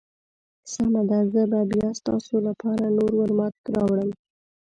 سمه ده، زه به بیا ستاسو لپاره نور ورماوټ راوړم.